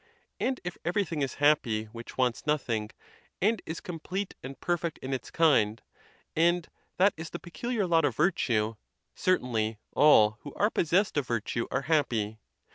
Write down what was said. And if everything is happy which wants nothing, and is complete and perfect in its kind, and that is the peculiar lot of virtue, certainly all who are possessed of virtue are happy.